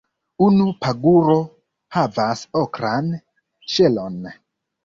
Unu paguro havas okran ŝelon.